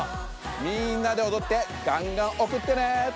みんなでおどってがんがんおくってね！